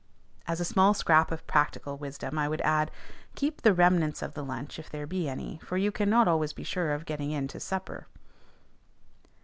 As a small scrap of practical wisdom, I would add, Keep the remnants of the lunch if there be any; for you cannot always be sure of getting in to supper.